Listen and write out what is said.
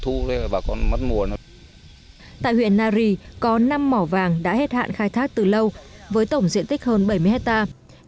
tại huyện nari có năm mỏ vàng đã hết hạn khai thác từ lâu với tổng diện tích hơn bảy mươi hectare